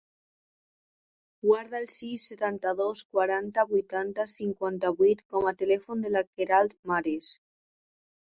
Guarda el sis, setanta-dos, quaranta, vuitanta, cinquanta-vuit com a telèfon de la Queralt Mares.